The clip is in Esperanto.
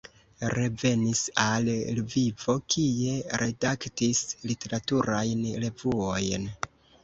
Revenis al Lvivo, kie redaktis literaturajn revuojn.